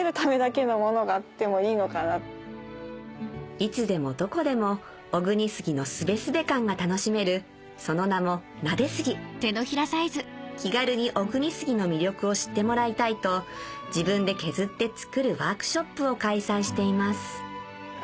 いつでもどこでも小国杉のスベスベ感が楽しめるその名も気軽に小国杉の魅力を知ってもらいたいと自分で削って作るワークショップを開催しています